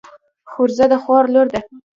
خورزه د خور لور.